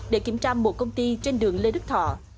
để kiểm tra một công ty trên đường lê đức thọ